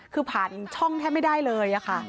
คือผ่านช่องแทบไม่ได้เลยค่ะ